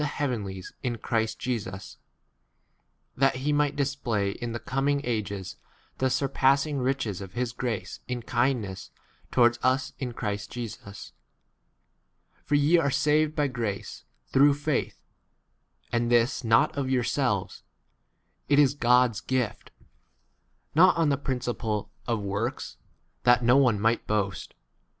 heavenlies in Christ Jesus, that he might display in the coming ages the surpassing riches of his grace in kindness k towards us in 8 Christ Jesus. For ye are saved by grace, through faith ; and this not 9 of yourselves ; it is God's gift : not on the principle of works, that 10 no one might boast.